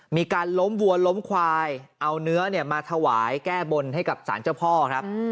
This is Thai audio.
มีการล้มวัวล้มควายเอาเนื้อมาถวายแก้บนให้กับสารเจ้าพ่อครับ